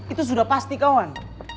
itu sudah pasti kawan